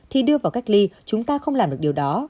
thì đưa vào cách ly chúng ta không làm được điều đó